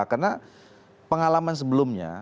karena pengalaman sebelumnya